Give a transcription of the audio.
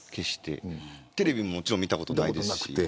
テレビももちろん見たことないですし。